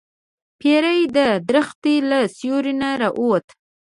پیری د درخت له سوری نه راووت.